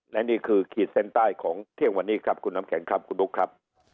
และนี่คือขีดเส้นใต้ของเที่ยงวันนี้ครับคุณน้ำแข็งครับคุณบุ๊คครับ